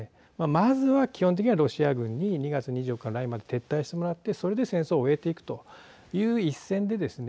まずは基本的にはロシア軍に２月２４日になるまで撤退してもらってそれで戦争を終えていくという一線でですね